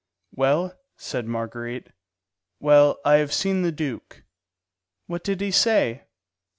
"Well?" said Marguerite. "Well, I have seen the duke." "What did he say?"